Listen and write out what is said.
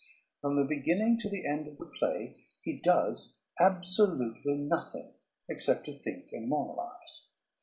From the beginning to the end of the play he does absolutely nothing except to think and moralize.